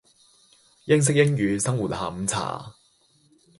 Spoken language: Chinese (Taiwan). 英式英語生活下午茶